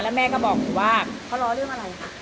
แม่ก็บอกหนูว่าเขาล้อเรื่องอะไรค่ะ